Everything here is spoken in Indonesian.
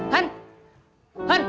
han makasih ya han